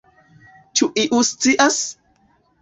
Ĉu iu scias?